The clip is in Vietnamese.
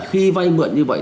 khi vay mượn như vậy